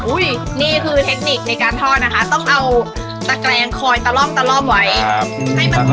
นี่คือเทคนิคในการทอดนะคะต้องเอาตะแกรงคอยตะล่อมตะล่อมไว้ให้มัน